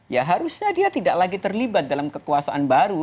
ya harusnya dia tidak lagi terlibat dalam kekuasaan baru